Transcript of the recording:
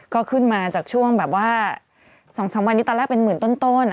ก็ขึ้นมาจากช่วงแบบว่า๒๓วันนี้ตอนแรกเป็นหมื่นต้น